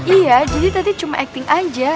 iya jadi tadi cuma acting aja